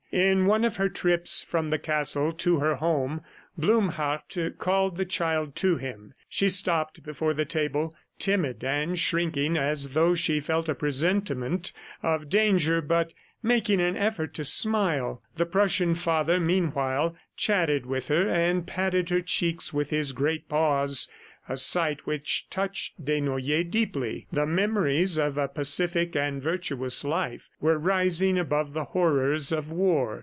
In one of her trips from the castle to her home, Blumhardt called the child to him. She stopped before the table, timid and shrinking as though she felt a presentiment of danger, but making an effort to smile. The Prussian father meanwhile chatted with her, and patted her cheeks with his great paws a sight which touched Desnoyers deeply. The memories of a pacific and virtuous life were rising above the horrors of war.